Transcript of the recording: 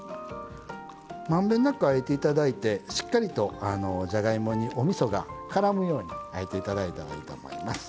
満遍なくあえて頂いてしっかりとじゃがいもにおみそが絡むようにあえて頂いたらいいと思います。